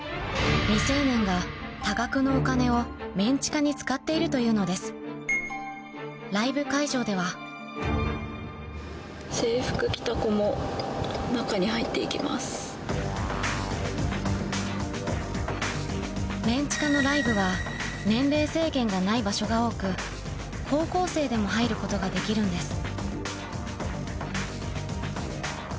未成年が多額のお金をメンチカに使っているというのですライブ会場ではメンチカのライブは年齢制限がない場所が多く高校生でも入ることができるんです